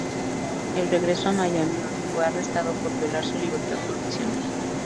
Él regresó a Miami, donde fue arrestado por violar su libertad condicional.